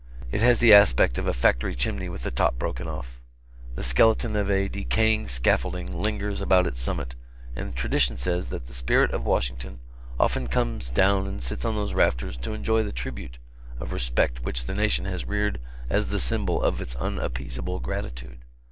It has the aspect of a factory chimney with the top broken off. The skeleton of a decaying scaffolding lingers about its summit, and tradition says that the spirit of Washington often comes down and sits on those rafters to enjoy this tribute of respect which the nation has reared as the symbol of its unappeasable gratitude.